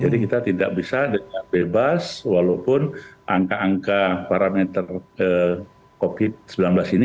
jadi kita tidak bisa bebas walaupun angka angka parameter covid sembilan belas ini